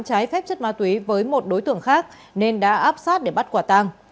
trái phép chất ma túy với một đối tượng khác nên đã áp sát để bắt quả tang